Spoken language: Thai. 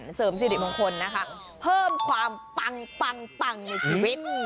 เพื่อเสริมสิทธิของคนนะคะเพิ่มความปั๊งในชีวิต